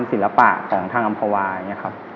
ศิลปะของทางอำภาวะเนี่ยครับ